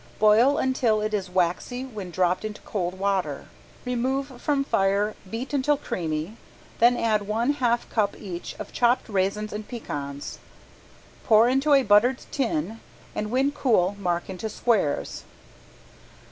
Boil until it is waxy when dropped into cold water. Remove from fire, beat until creamy, then add one half cup each of chopped raisins and pecans. Pour into a buttered tin, and when cool mark into squares.